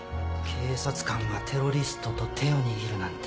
警察官がテロリストと手を握るなんて。